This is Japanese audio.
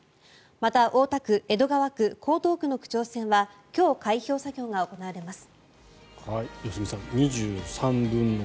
また、大田区、江戸川区江東区の区長選は今日、開票作業が行われます。